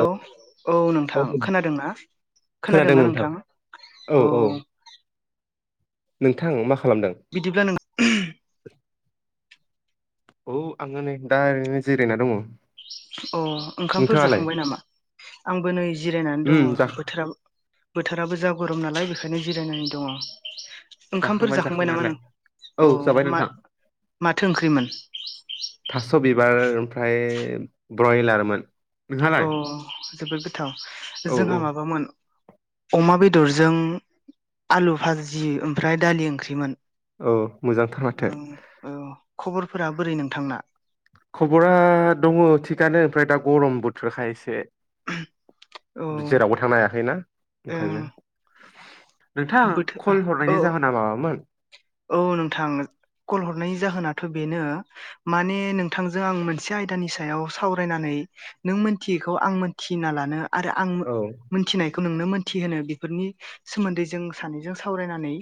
औ औ नोंथां खोनादोंना खोनादोंना नोंथां? औ औ। नोंथां मासे बिदिब्ला नों ओहोम। औ आङो नै दा ओरैनो जिरायना दङ। अ ओंखामफोर नोंथाङालाय जाखांबाय नामा आंबो नै जिरायनानै दङ उम बोथोराव बोथोराबो जा गरम नालाय बेखायनो जिरायनानै दङ। ओंखामफोर जाखांबाय नामा नों औ जाबाय म नोंथां माथो ओंख्रिमोन? थास' बिबार ओमफ्राय ब्रयलारमोन औ नोंहालाय जोबोद गोथाव औ औ जोंहा माबामोन अमा बेदर बेदरजों आलु भाजि ओमफ्राय दालि ओंख्रिमोन। औ मोजांथार औ माथो औ खबरफोरा बोरै नोंथांना? खबरा दङ थिगानो ओमफ्राय दा गरम बोथोरख एसे औ जेरावबो थांनो हायाखैनाा ओं ओंखायनो नोंथां कल बोथोर औ हरनायनि जाहोना माबामोन औ नोंथां कल हरनाय जाहोना? बेनो माने नोंथांजों आं मोनसे आयदानि सायाव सावरायनानै नों मोनथि आ मोनना ल आरो आ औ मोननायखौ नोंनो मोनो बेफोरनि सोमोन्दै जों सानैजों सावरायनानै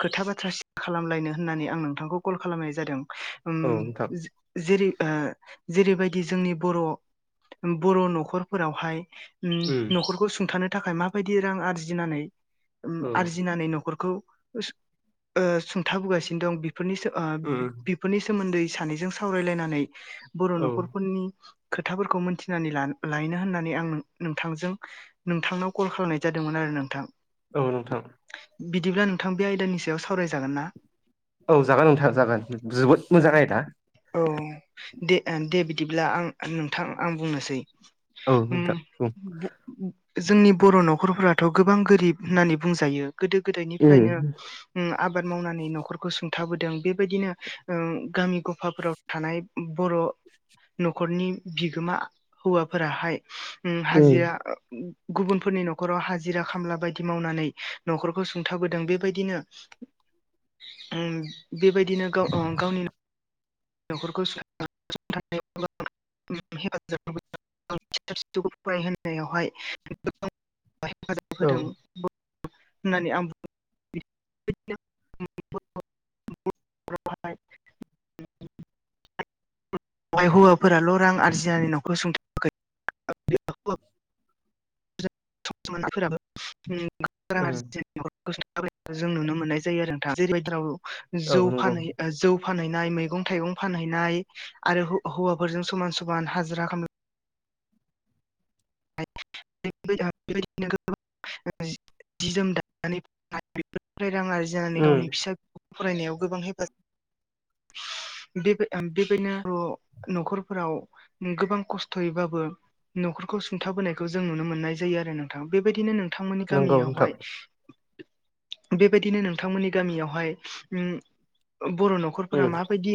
खोथा बाथ्रा खालामलायनो होननानै आं नोंथांखौ कल खालामनाय जादों। औ नोंथां जेरै जेरैबायदि जोंनि बर' बर' न'खरफोरावहाय उम न'खरखौ सुंथानो थाखाय माबायदि रां आरजिनानै औ आरजिनानै न'खरखौ सुंथाबोगासिनो दं बेफोरनि उम बेफोरनि सोमोन्दै सानैजों सावरायलायनानै बर' औ न'खरफोरनि खोथाफोरखौ मिथिनानै लायनो होननानै आं नोंथांजों नोंथांनाव कल खालामनाय जादोंमोन आरो नोंथां औ नोंथां बिदिब्ला नोंथां बे आयदानि सायाव सावरायजागोन ना? औ जागोन नोंथां जागोन जोबोद मोजां आयदा । औ दे दे बिदिब्ला आं नोंथां आं बुंनोसै औ नोंथां बुं जोंनि बर' न'खरफोराथ' गोबां गोरिब होननानै बुंजायो गोदो उम गोदायनिफ्रायनो आबाद मावनानै न'खरखौ सुंथाबोदों बेबायदिनो गामि गफाफोराव थानाय बर' न'खरनि बिगोमा हौवाफोराहाय उम हाजिरा गुबुनफोरनि न'खराव हाजिरा खामला बायदि मावनानै न'खरखौ सुंथाबोदों बेबायदिनो बेबायदिनो गाव गावनि न'खरखौ हेफाजाब होखौ फरायहावहाय हेफाजाब औ होदों होननानै आं बु [inaudible] [unintelligible] बेहाय हौवाफोराल' रां आरजिनानै न'खौ सुंथ'वाखै सम मोनाफोराबो [unintelligible] उम आरजि जों नुनो मोननाय जायो आरो दा जेरैबायदि राव औ जौ नंगौ फानहै ओ जौ फानहैनाय मैगं थाइगं फानहैनाय। आरो हौ हौवाफोरजों समान समान हाजिरा खला [unintelligible] जि जोम दानानै फानानै बेफोरफ्राय रां आरि जानानै उम गावनि फिसा फरायनायाव गोबां हेफाजाब बे ओ बेबायदिनो' न'खरफोराव गोबां खस्थ'यैबाबो न'ख खौ सुंथाबोनायखौ जों नुनो मोननाय जायो आरो नोंथां बेबायदिनो नोंथांमोननि नंगौ नोंथां गामियावहाय बेबायदिनो नोंथांमोननि गामियावहाय उम बर' न'खरफोरा उम माबायदि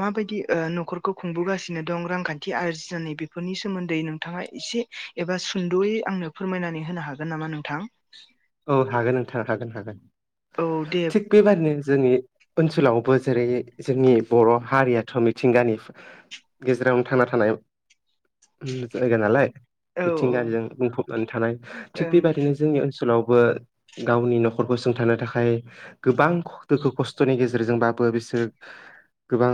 माबायदि ओ न'खरखौ खुंबोगासिनो दं रांखान्थि आरजि नानै बेफोरनि सोमोन्दै नों नोंथाङा एसे एबा सुंद'यै आंनो फोरमायनानै होनो हागोन नामा नोंथां। औ हागोन नोंथां हागोन-हागोन औ दे थिग बेबादनो जोंनि ओनसोलावबो जेरै जोंनि बर' हारियाथ' मिथिंगानि गेजेरावनो थांना थानाय जायगा नालाय। औ मिथिंगायारिजों औ बुंफबनानै थानाय। थिग ओं बेबायादिनो जोंनि ओनसोलाव बो गावनि न'खरखौ सुथानो थाखाय गोबां दुखु खस्थ'नि गेजेरजोंबाबो बिस सोर गोबां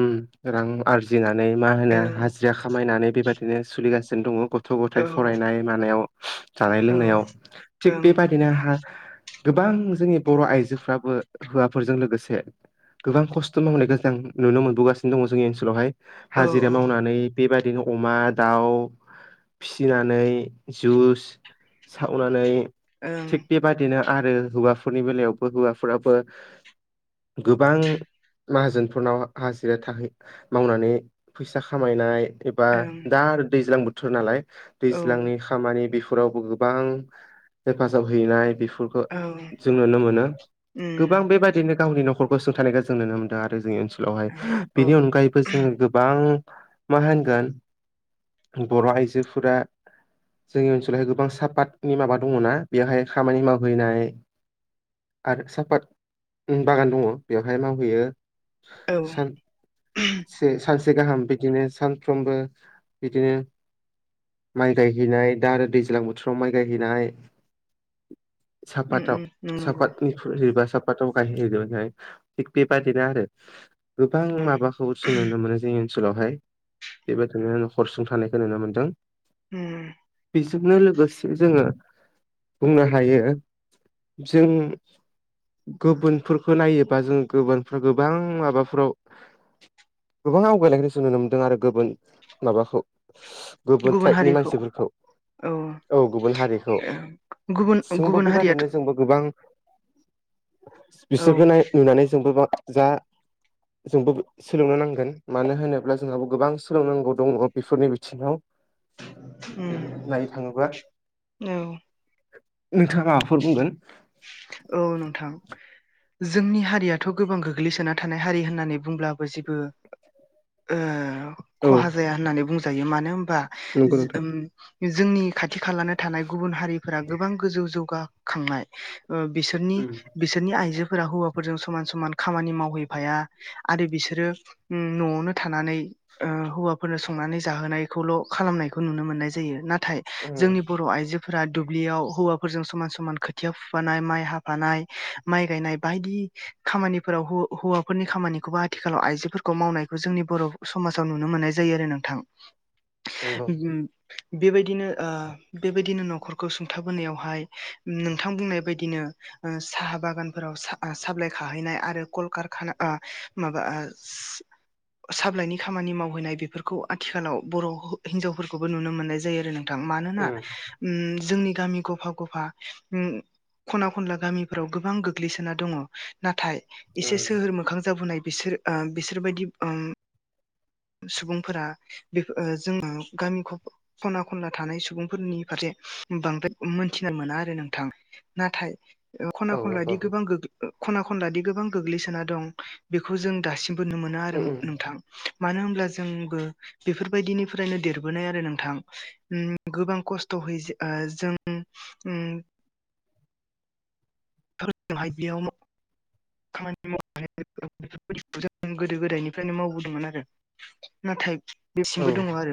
उम रां आरजिना नै मा होनो ओं हाजिर खामायनानै बेबायदिनो सोलिगासिनो दङ। गथ' औ गथायाइ फरायनाय मानायाव जानाय लोंनायाव। ओं थिग बेबादिनो गोबां जोंनि बर' आइजोफ्राबो हौवाफोरजों लोगोसे गोबां खस्थ' मावनायखो जों नुनो मोनबोगासिनो दङ जोंनि ओनसोलावहाय। औ हाजिरा ओं मावनानै बेबादिनो अमा, दाउ फिसिनानै जुस सावनानै, थिग बेबादिनो आरो हौवाफोरनि बेलायावबो हौवाफोराबो गोबां माहाजोनफोरनाव हाजिरथाहै मावनानै फैसा खामायनाय एबा दा आरो दैज्लां बोथोर नालाय, ओं दैज्लांनि खामानि बेफोरावबो गो बां हेफाजाब हैनाय बिफो फोरखो औ जों नुनो मोनो। उम गोबां बेबायदिनो गावनि नखरखो सुंथानायखौ जों नुनो मोनदों आरो जोंनि ओनसोलावहाय। औ बेनि अनगायैबो जों गोबां मा होनगोन बर' आइजोफोरा जोंनि ओनसोलावहाय गोबां साप पादनि माबा दङना, बेवहाय खामानि मावहैनाय आरो सापातनि बागान दङ बेवहाय मावहैयो। औ सानसे सान से गाहाम बिदिनो सानफ्रोमबो बिदिनो माइ गायहैनाय दा आरो दैज्लां बोथोर फ्राव माइ गायहैनाय उम सापादाव उम नंगौ सापादनिफ्राय एबा [unintelligible] थिग बे बादिनो आरो। गोबां माबाखौ सों नुनो मोनो जोङो। ओनसोलावहाय। बेबायदिनो नखरसुंथानायखो नुनो मोन्दों। [inaudible] बिजोंनो लोगोसे जोङो बुंनो हायो जों गुबुनफोरखो नायोबा जों गुबुनफोर गोबां माबाफोराव गोबां आवगायलांनाय जों नुनो मोनदों आरो गुबुन माबाखौ गुबुन ट्राइबनि मानसिफोरखौ। औ गुबुन हारिखौ गुबुन जोंबो गुबुन हारियाथ' बेबादिनो जोंबो गोबां औ बिसोरखौ नाय नुनानै जोंबो बा जा जोंबो सोलोंनो नांगोन। मानो होनोब्ला जोंहाबो गोबां सोलोंनांगौ दङ बेफोरनि बिथिङाव। उम नायनो थाङोबा औ। नोंथाङा माबाफोर बुंगोन? औ नोंथां जोंनि हारियाथ' गोबां गोग्लैसोना थानाय हारि होननानै बुंब्लाबो जेबो ओ औ खहा जाया होननानै बुंजायो। मानो होनबा नंगौ जो नोंथां ओम जोंनि खाथि खालानो थानाय गुबुन हारिफोरा गोबां गोजौ जौगाखांनाय। ओ बिसोरनि उम बिसोरनि आइजो फोरा हौवाफोरजों समान समान खामानि मावहैफाया आरो बिसोरो न'आवनो थानानै ओ हौवाफोरनो संनानै जाहोनायखौल' खालामनायखौ नुनो मोननाय जायो। ना थाय उम जोंनि बर' आइजोफोरा दुब्लियाव हौवाफोरजों समान समान खोथिया फु फानाय माइ हाफानाय, माइ गायनाय बायदि खामानिफोराव हौ-हौवाफोरनि खामानिखौबो आ थिखालाव आइजोफोरखौ मावनायखौ जोंनि बर' समाजाव नुनो मोननाय जायो आरो नोंथां। [inaudible] नंगौ बेबायदिनो ओ बेबायदिनो न'खरखौ सुंथाबोनायावहाय नोंथां बुंनाय बादिनो ओ साहा बागानफ्राव सा साबिलाइ खाहैनाय आरो कल खारखाना ओ माबा आ साबिलायनि खामानि मावहैनाय बेफोरखौ आथिखालाव बर' हौ-हिनजावफोरखौबो नुनो मोननाय जायो आरो नों थां मानोना उम उम जोंनि गामि गफा-गफा उम खना-खनला गामिफोराव गोबां गोग्लैसोना दङ नाथाय औ एसे सोहोर मोखां जाबोनाय बिसोर ओ बिसोरबायदि उम सुबुंफोरा बेफ ओ जोङो गामि ख- खना-खनला थानाय सुबुंफोरनि फारसे बांद्राय मोनथिना मोना आरो नोंथां। नाथाय ओ नंगौ उम खना-खनलादि गोबां गोग खना-खनलादि गोबां गोग्लैसोना दं बेखौ जों दासिमबो नुनो मोना आरो उम नोंथां। मानो होनब्ला जोंबो बेफोरबायदिनिफ्रायनो देरबोनाय आरो नोंथां उम गोबां खस्थ' हय ओ जों उम [unintelligible] खामानि मावनानै [unintelligible] जों गोदो गोदायनिफ्रायनो मावबोदोंमोन आरो नाथाय बेसिमबो दङ औ आरो।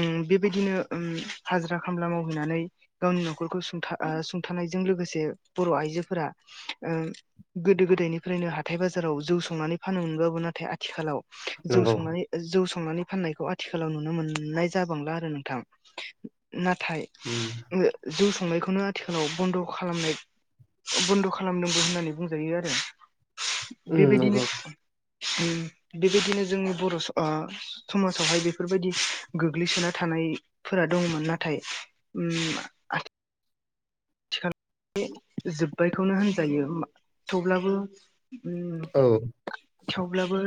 उम बेबायदिनो उम हाजिरा खामला मावहैनानै गावनि न'खरखौ सुंथा आ सुंथानाय जों लोगोसे बर' आइजोफोरा ओ गोदो-गोदायनिफ्रायनो हाथाय बाजाराव जौ संनानै फानोमोनबाबो नाथाय आथिखालाव जौ नंगौ संनानै जौ सं नानै फाननायखौ आथिखालाव नुनो मोननाय जाबांला आरो नोंथां। नाथाय उम ओ जेस संनायखौनो आथिखालाव बन्द' खालामनाय बन्द' खालामनांगौ होननानै बुंजायो आरो। उम बेबायदिनो नंगौ उम बेबायदिनो जोंनि बर' ओ समाजावहाय बेफोरबायदि गोग्लैसोना थानाय फोरा दंमोन नाथाय उम आ बे जोब्बायखौनो होनजायो मा थेवब्लाबो उम औ थेवब्लाबो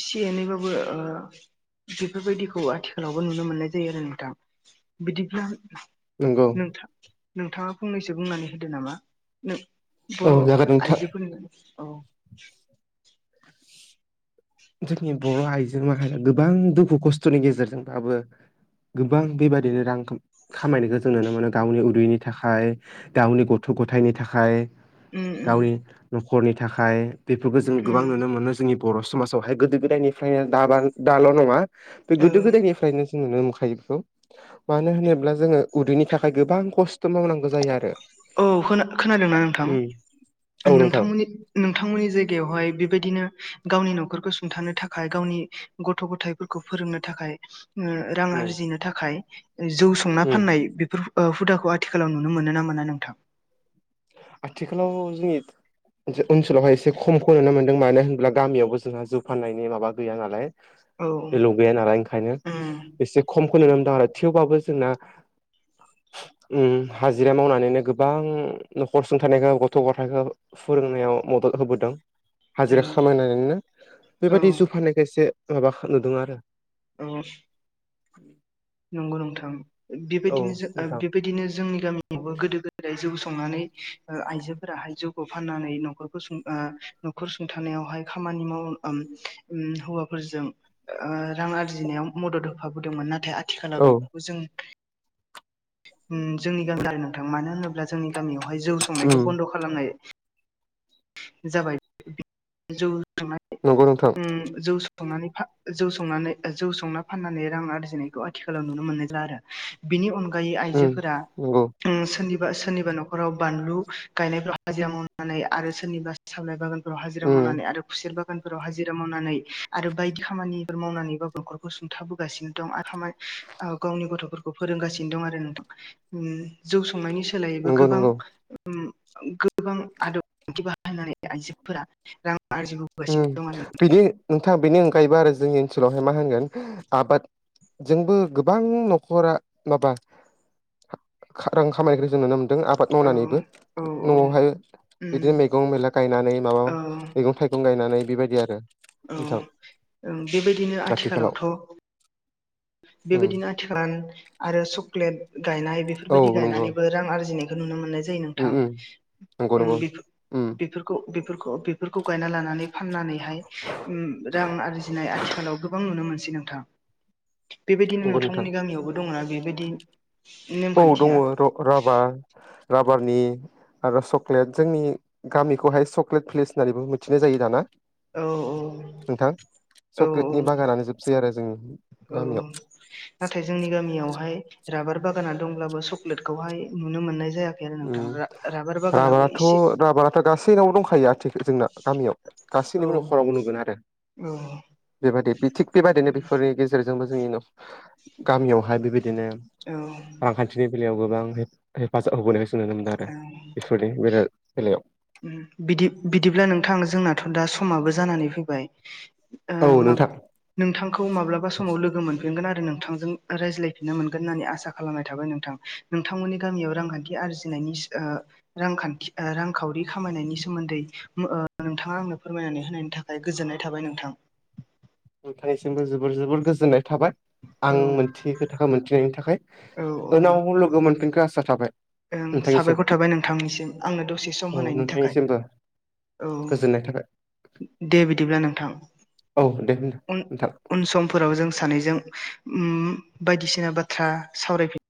एसे एनैबाबो ओ बेफोरबायदिखौ आथिखालावबो नुनो मोननाय जायो आरो नोंथां। बिदिब्ला नंगौ नोंथां नोंथाङा फंनैसो बुंनानै होदो नामा नों औ बर' जागोन नोंथां आइजोफोरनि औ। जोंनि बर' आइजो माहरिया गोबां दुखु खस्थ'नि गेजेरजोंबाबो गोबां बेबायदिनो रां खा-खामायनायखौ जों नुनो मोनो गावनि उदैनि थाखाय गावनि गथ' ग'थायनि थाखाय। उम उम गावनि न'खरनि थाखाय बेफोरखौ जों गोबां उम नुनो मोनो जोंनि बर' समाजावहाय गोदो-गोदायनिफ्रायनो दा बा दाल' नङा बे औ गोदो गोदायनिफ्रायनो जों नुनो मोनखायो बेखौ मानो होनोब्ला जोङो उदैनि थाखाय गोबां खस्थ' मावनांगौ जायो आरो। औ खोना खोनादोंना नोंथां? उम औ नोंथां नोंथांमोननि नोंथांमोननि जायगायावहाय बेबायदिनो गावनि न'खरखौ सुंथानो थाखाय गावनि गथ' गथायाइफोरखौ फोरोंनो थाखाय ओ रां उम आरजिनो थाखाय जौ संना उम फाननाय बेफोर ओ हुदाखौ आथिखालाव नुनो मोनो ना मोना नों आथिखालाव जिनि ओनसो-ओनसोलावहाय एसे खमखौ नुनो मोनदों मानो होमब्ला गामियावबो जोंना जौ फाननायनि माबा गैया नालाय। औ उम एलाउ गैया नालाय ओंखायनो एसे खमखौ नुनो ओ थेवबाबो जोंना उम हाजिरा मावनानैनो गोबां न'खर सुंथानायखौ गथ' गथायखौ फोरोंनायाव मदद होबोदों। औ हाजिरा खामायनानैनो औ बेबायदि जौ फानायखो एसे माबा नुदों आरो। औ। उम नंगौ नोनथां बेबायदिनो ओ नोंथां बेबायदिनो जोंनि गामियावबो गोदो गोदाय जौ स संनानै ओ आइजोफोराहाय जौखौ फाननानै न'खरखौ सुं ओ न'खर सुंथानायावहाय खाम खामानि माव उम हौवाफोरजों ओ रां आरजिनायाव मदद होफाबोदोंमोन नाथाय आ आथिखालाव औ बेफोरखौ जों उम जोंनि गामि नोंथां मानो होनोब्ला जोंनि गामियाव बेहाय जौ संनायखौ उम बन्द' खालामनाय जाबाय जौ संनाय नंगौ नोंथां। ओम जौ संनानै फा जौ संनानै ओ जौ संना फाननानै रां आरजिनायखौ आथिखालाव नुनो मोनला आरो बिनि अनगा बै उम आइजोफोरा नंगौ उम सोरनि ओ सोरनिबा न'खराव बानलु गायनायफ्राव हाजिरा मावनानै आरो सोरनिबा सामलाय बागान हाजिरा उम मावनानै आरो खुसेल बागानफोराव हाजिरा मावनानै आरो बायदि खामानि फोर मावनानैबाबो न'खरखौ सुंथाबोगासिनो दं आराय ओ गावनि गथ'फोरखौ फोरोंगासिनो दं आरो नोंथां। उम जौ संनायनि सोलायैबो नंगौ गोबां नंगौ उम गोबां आदब बाहायनानै आइजोफोरा रां आरजिबोगासिनो उम दं आरो बिदि नोंथाङा बिनि अनगायैबो आरो जोंनि ओनसोलावहाय मा होनगोन आबाद जोंबो गोबां न'खरा माबा खा रां खामायग्रोन ओं नुनो दों आबाद औ मावनानैबो औ न'आवहाय उम बिदिनो औ मैगं-थाइगं गायनानै बेबायदि आरो। औ नोंथां ओं बेबायदिनो आथिखालाव आथिखालावथ ' उम बेबायदिनो आथिखालान आरो चक्लेट गायनाय औ बेफोरबायदि नंगौ गायनानैबो रां आरजिनाय नुनो मोननाय जायो उम नोंथां उम नंगौ नंगौ नों बे उम बेफोर बेफोरखौ बेफोरखौ बेफोरखौ गायना लानानै फाननानैहाय उम रां आरजिनाय आथिखालाव गोबां नुनो मोनसै नोंथां। बेबायदिनो नंगौ नोंथां नोंथांमोननि गामियावबो दङना बेबायदि औ दङ नेमखान्थिया राबार राबारनि आरो चक्लेट जोंनि गामिखौहाय सक्लेट पलेस होननानैबो मिथिनाय जायो दाना। औ औ नोंथां औ चक्लेटनि बागानानो जोबसै आरो जों औ नाथाय जोंनि गामियावहाय राबार बागाना दंब्लाबो सक्लेटखौहाय नुनो मोननाय जायाखै आरो नोंथां रार राभाराथ' राभाराथ' दा सोबनावबो दंखायो आथिख जोंना गामियाव गासैनिबो औ न'खरावबो नुगोन आरो। औ। बेबायदि बि थिग बेबायदिनो बेफोरनि गेजेर जोंबो जोंनि न' गामियावहाय बेबायदिनो औ रांखान्थिनि बेलायाव गोबां आं हेफाजाब होबोनायखौसो नुनो मोनदों आरो औ इफोरनि बेराद बेलायाव। बिदि बिदिब्ला नोंथां जोंनाथ' ओ औ मा नोंथां नोंथांखौ माब्लाबा समाव लोगो मोनफिनगोन आरो नोंथांजों रायज्लायफिननो मोनगोन होननानै आसा खालामनाय थाबाय नोंथां नोंथांमोननि गामियाव रांखान्थि आरजिनाय नि सि ओ रांखान्थि ओ रां खावरि खामायनायनि सोमोन्दै ओ नोंथाङा आंनो फोरमायनानै होनायनि थाखाय गोजोननाय थाबाय नोंथां नोंथांनिसिमबो जोबोर जोबोर गोजोननाय थाबाय आं औ मोनथियै खोथाखौ मोनथिनायनि थाखाय औ औ उनाव लोगो मोनफिनखौ आसा थाबाय ओं नोंथांनिसिम साबायखर थाबाय नोंथांनिसिम आंनो दसे औ सम होनायनि थाखाय नोंथांनिसिमबो औ गोजोननाय थाबाय दे बिदिब्ला नोंथां औ दे होनदो उन नोंथां उन समफोराव जों सानैजों उम बायदिसिना बाथ्रा सावरायफिननो